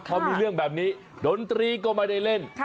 พอมีเรื่องแบบนี้ดนตรีก็ไม่ได้เล่น